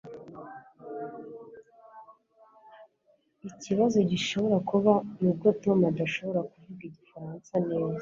Ikibazo gishobora kuba nuko Tom adashobora kuvuga igifaransa neza